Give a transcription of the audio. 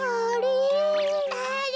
あれ。